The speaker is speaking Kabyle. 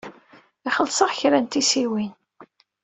Ixelleṣ-aɣ kra n tissiwin.